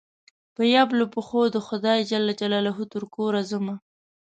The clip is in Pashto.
په يبلو پښو دخدای ج ترکوره ځمه